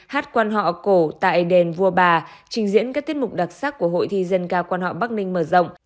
hát quan họ cổ tại đền vua bà trình diễn các tiết mục đặc sắc của hội thi dân ca quan họ bắc ninh mở rộng